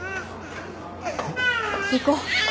行こう。